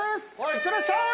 いってらっしゃい！